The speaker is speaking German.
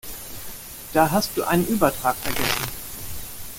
Da hast du einen Übertrag vergessen.